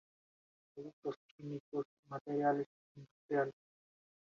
Productos químicos, y materiales industriales.